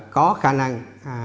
có khả năng